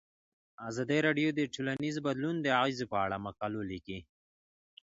ازادي راډیو د ټولنیز بدلون د اغیزو په اړه مقالو لیکلي.